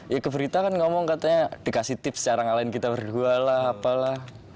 ya keberita kan ngomong katanya dikasih tips cara ngalahin kita berdua lah apalah